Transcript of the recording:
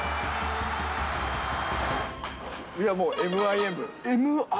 いやもう、ＭＩＭ？